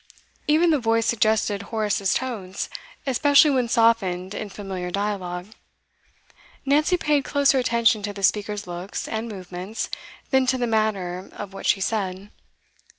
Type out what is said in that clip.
Even the voice suggested Horace's tones, especially when softened in familiar dialogue. Nancy paid closer attention to the speaker's looks and movements than to the matter of what she said.